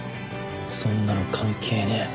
そんなの関係ねえ